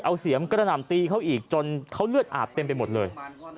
เอาเสียมกระหน่ำตีเขาอีกจนเขาเลือดอาบเต็มไปหมดเลย